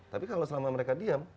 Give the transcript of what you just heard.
tapi kalau selama mereka diam